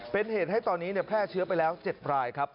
เป็นเหตุให้ตอนนี้แพร่เชื้อไปแล้ว๗รายครับ